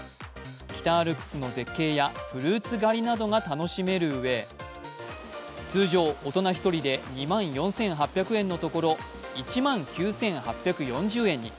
北アルプスの絶景やフルーツ狩りなどが楽しめるうえ、通常、大人１人で２万４８００円のところ１万９８４０円に。